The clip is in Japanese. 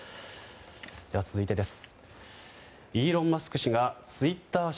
では、続いてです。